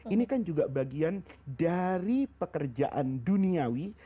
ini kan juga bagian dari pekerjaan duniawi